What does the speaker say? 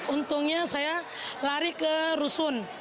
untungnya saya lari ke rusun